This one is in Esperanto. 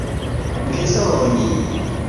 bezoni